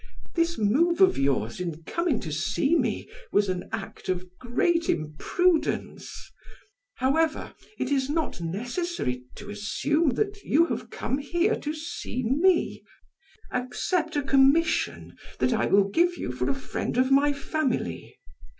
This move of yours in coming to see me was an act of great imprudence; however, it is not necessary to assume that you have come here to see me; accept a commission that I will give you for a friend of my family.